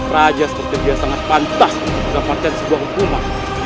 raja seperti dia sangat pantas untuk mendapatkan sebuah hukuman